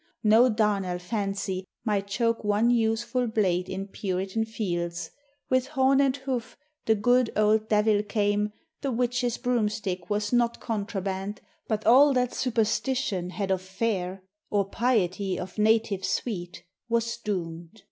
No darnel fancy Might choke one useful blade in Puritan fields ; With horn and hoof the good old Devil came, The witch's broomstick was not contraband, But all that superstition had of fair, Or piety of native sweet, was doomed.